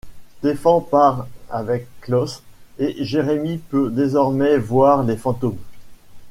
Stefan part avec Klaus, et Jeremy peut désormais voir les fantômes.